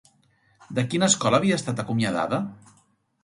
De quina escola havia estat acomiadada?